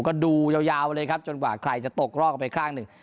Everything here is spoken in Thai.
ก็ดูยาวเลยครับจนกว่าใครจะตกรอบออกไปข้างหนึ่ง